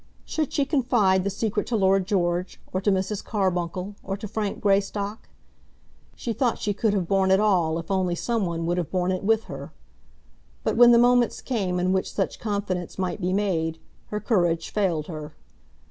Should she confide the secret to Lord George, or to Mrs. Carbuncle, or to Frank Greystock? She thought she could have borne it all if only some one would have borne it with her. But when the moments came in which such confidence might be made, her courage failed her.